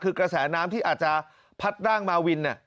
คือกระแสน้ำที่อาจจะพัดร่างมาวิน